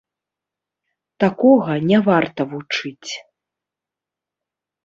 Такога не варта вучыць.